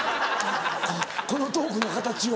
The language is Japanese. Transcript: このトークの形を。